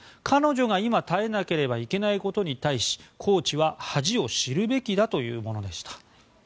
彼女が今耐えなければいけないことに対しコーチは恥を知るべきだというものでした。